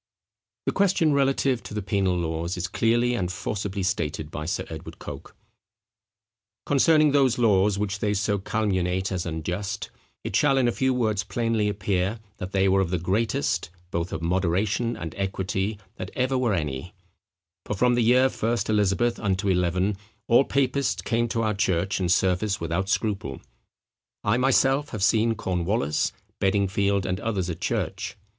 The question relative to the penal laws is clearly and forcibly stated by Sir Edward Coke: "Concerning those laws, which they so calumniate as unjust, it shall in a few words plainly appear, that they were of the greatest, both of moderation and equity, that ever were any: for from the year I Eliz. unto XI. all papists came to our church and service without scruple. I myself have seen Cornewallis, Beddingfield, and others at church.